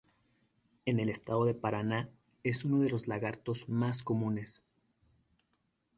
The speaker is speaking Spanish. En el estado de Paraná, es uno de los lagartos más comunes.